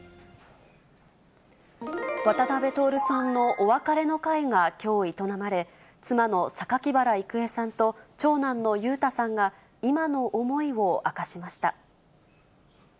渡辺徹さんのお別れの会がきょう、営まれ、妻の榊原郁恵さんと長男の裕太さんが、今の思いを明かしました。